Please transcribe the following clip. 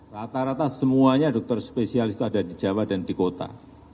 rata rata semuanya dokter spesialis itu ada di jawa dan di kota